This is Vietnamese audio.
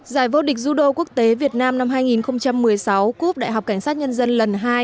giải vô địch judo quốc tế việt nam năm hai nghìn một mươi sáu cup đại học cảnh sát nhân dân lần hai